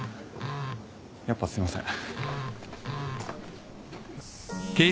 やっぱすいません。